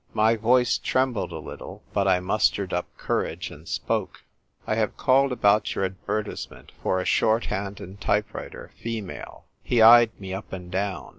My voice trembled a little, but I mustered up courage and spoke. " I have called about your advertisement for a Shorthand and Type writer (female)." He eyed me up and down.